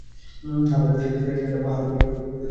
হাঁ বাপু, সেটা বাঁ-হাতি বলিয়া বোধ হইতেছে, তার পরে বলিয়া যাও।